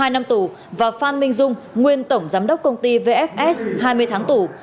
hai năm tù và phan minh dung nguyên tổng giám đốc công ty vfs hai mươi tháng tù